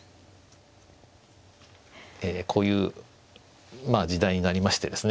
ええこういうまあ時代になりましてですね